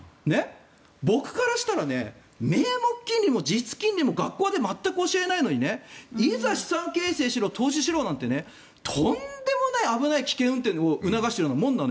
僕からしたら名目金利も実質金利も学校で全く教えないのにいざ資産形成しろ投資しろってとんでもない危ない危険運転を促してるようなもの。